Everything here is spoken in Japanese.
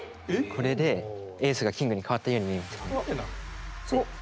これでエースがキングに変わったように見えるんですよ。